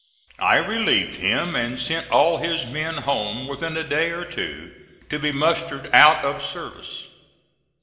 I relieved him and sent all his men home within a day or two, to be mustered out of service.